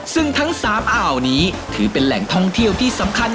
ซึ่งทั้ง๓อ่าวนี้ถือเป็นแหล่งท่องเที่ยวที่สำคัญ